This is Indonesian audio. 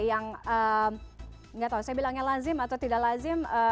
yang nggak tahu saya bilangnya lazim atau tidak lazim